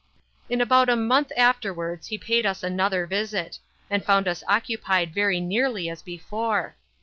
In about a month afterwards he paid us another visit, and found us occupied very nearly as before.